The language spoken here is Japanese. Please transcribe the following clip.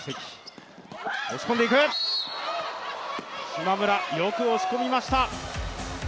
島村、よく押し込みました。